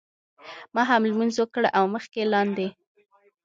ما هم لمونځ وکړ او مخکې لاندې.